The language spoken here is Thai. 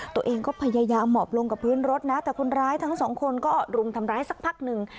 ตัวเองก็พยายามหมอบลงกับพื้นรถนะแต่คนร้ายทั้งสองคนก็รุมทำร้ายสักพักหนึ่ง